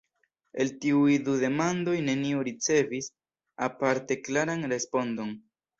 El tiuj du demandoj neniu ricevis aparte klaran respondon.